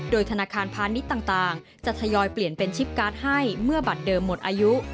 โดยธนาคารพาณิชย์ต่างจะทยอยเปลี่ยนเป็นชิปการ์ดให้เมื่อบัตรเดิมหมดอายุ